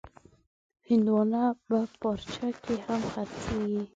هندوانه په پارچه کې هم خرڅېږي.